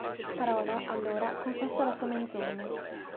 Parola, allora, confessa la sua menzogna.